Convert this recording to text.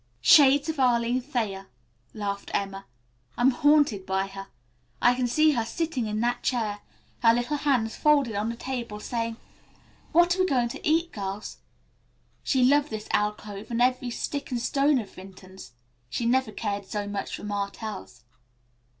"Shades of Arline Thayer," laughed Emma. "I am haunted by her. I can see her sitting in that chair, her little hands folded on the table, saying, 'What are we going to eat, girls?' She loved this alcove and every stick and stone of Vinton's. She never cared so much for Martell's."